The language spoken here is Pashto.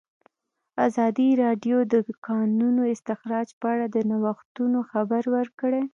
ازادي راډیو د د کانونو استخراج په اړه د نوښتونو خبر ورکړی.